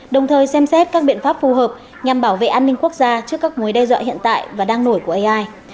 đồng thời xem xét các biện pháp phù hợp nhằm bảo vệ an ninh quốc gia trước các mối đe dọa hiện tại và đang nổi của ai